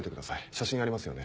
写真ありますよね？